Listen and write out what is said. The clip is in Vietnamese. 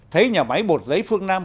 thấy nhà máy bột giấy phương nam